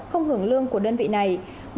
không hưởng lương của đơn vị này